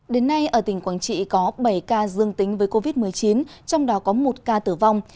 đến nay ở tỉnh quảng trị có bảy ca dương tính với covid một mươi chín trong đó có một ca tử vong